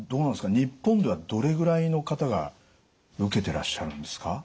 日本ではどれぐらいの方が受けてらっしゃるんですか？